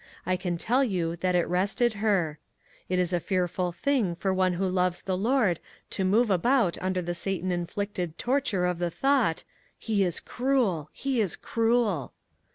I can tell you that it rested her. It is a fearful thing for one who loves the Lord to move about under the Satan inflicted torture of the thought :" He is cruel ! He is cruel